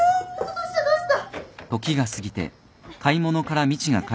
どうしたどうした。